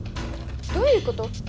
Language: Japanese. どういうこと？